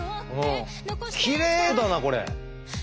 きれいだなこれ。